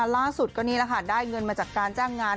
ล่าสุดก็นี่แหละค่ะได้เงินมาจากการจ้างงาน